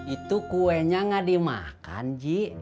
itu kuenya gak dimakan ji